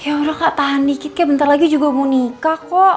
ya udah kak tahan dikit kak bentar lagi juga mau nikah kok